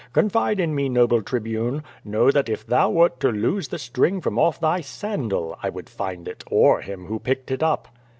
Confide in me, noble Tribune. Know that if thou wert to lose the string from off thy sandal, I would find it, or him who picked it up."